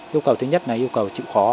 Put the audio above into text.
yêu cầu thứ nhất là yêu cầu chịu khó